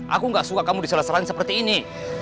aku gak suka kamu diselesai seperti ini